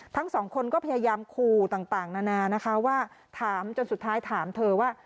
ทั้งสองคนก็พยายามขู่ต่างนานานะคะว่าถามจนสุดท้ายถามเธอว่า